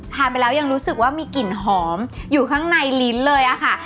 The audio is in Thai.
ทานไปแล้วยังรู้สึกว่ามีกลิ่นหอมอยู่ข้างในลิ้นเลยอะค่ะ